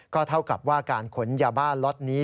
เท่ากับว่าการขนยาบ้าล็อตนี้